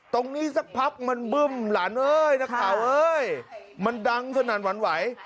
สักพักมันบึ้มหลานเอ้ยนักข่าวเอ้ยมันดังสนั่นหวั่นไหว